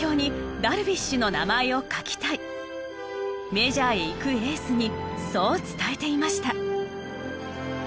メジャーへ行くエースにそう伝えていました。